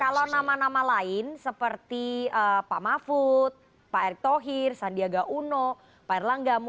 kalau nama nama lain seperti pak mahfud pak erick thohir sandiaga uno pak erlangga